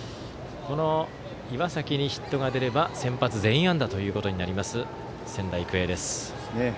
岩崎にヒットが出れば先発全員安打となります仙台育英です。